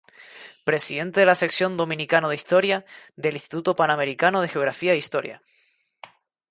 Presidente de la Sección Dominicano de Historia del Instituto Panamericano de Geografía e Historia.